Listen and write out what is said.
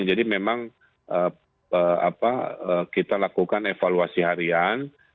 memang kita lakukan evaluasi harian